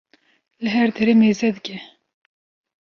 li her dere mêze dike.